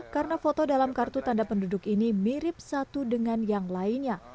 karena foto dalam kartu tanda penduduk ini mirip satu dengan yang lainnya